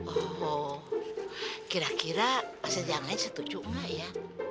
oh kira kira pasien yang lain setuju gak ya